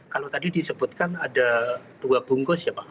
kalau tadi disebutkan ada dua bungkus ya pak